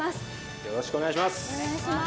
よろしくお願いします。